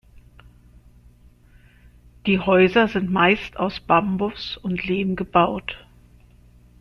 Die Häuser sind meist aus Bambus und Lehm gebaut.